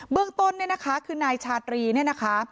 เรื่องต้นเนี่ยนะคะคือนายชาตรีเนี่ยนะคะ